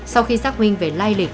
sau khi xác minh về lai lịch